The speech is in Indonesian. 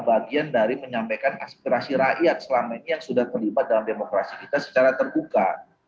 bagian dari menyampaikan aspirasi rakyat selama ini yang sudah terlibat dalam demokrasi kita secara terbuka